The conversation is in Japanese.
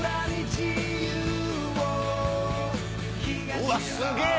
うわすげぇ！